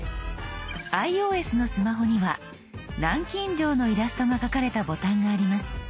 ｉＯＳのスマホには南京錠のイラストが描かれたボタンがあります。